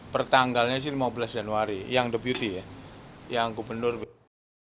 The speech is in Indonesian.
pertanggalnya sih lima belas januari yang deputi ya yang gubernur begitu